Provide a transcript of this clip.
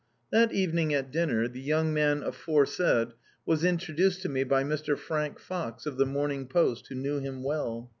That evening at dinner, the young man aforesaid was introduced to me by Mr. Frank Fox, of the Morning Post, who knew him well.